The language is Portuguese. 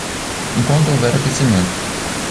Enquanto houver aquecimento